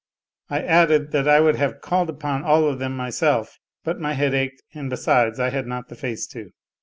I added that I would have called upon all of them myself, but my head ached, and besides I had not the face to.